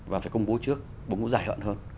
và phải công bố trước cũng dài hạn hơn